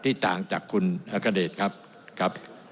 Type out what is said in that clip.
ที่ต่างจากคุณฮกเดชครับ